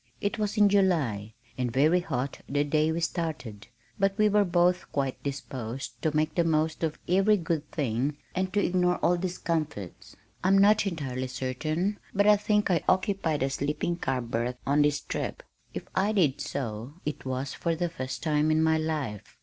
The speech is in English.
It was in July, and very hot the day we started, but we were both quite disposed to make the most of every good thing and to ignore all discomforts. I'm not entirely certain, but I think I occupied a sleeping car berth on this trip; if I did so it was for the first time in my life.